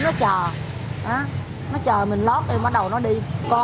từ trái cây bánh kẹo